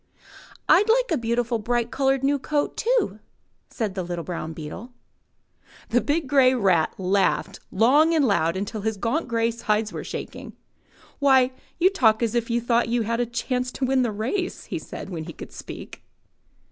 *'rd like a beautiful, bright coloured, new coat, too," said the little brown beetle. The big grey rat laughed long and loud until his gaunt grey sides were shaking. *'Why, you talk just as if you thought you had a chance to win the race," he said, when he could speak.